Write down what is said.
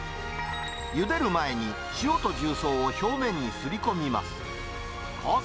ゆでる前に塩と重曹を表面にすり込みます。